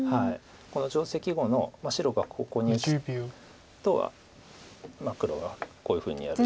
この定石後の白がここに打つと黒がこういうふうにやる。